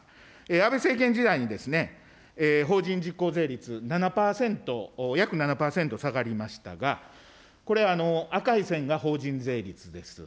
安倍政権時代にですね、法人実効税率７％、約７％下がりましたが、これ、赤い線が法人税率です。